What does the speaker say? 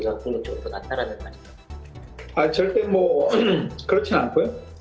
saya juga menarik dari thailand